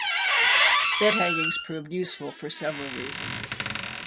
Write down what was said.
Bed hangings proved useful for several reasons.